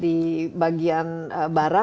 di bagian barat